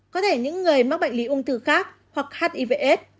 có thể những người mắc bệnh lý ung thư khác hoặc hivs